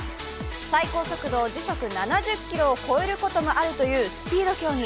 最高速度時速７０キロを超えることもあるというスピード競技。